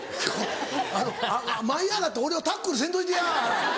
あの舞い上がって俺をタックルせんといてや。